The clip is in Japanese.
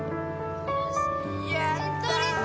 やった！